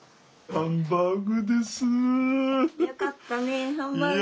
ハンバーグだよ。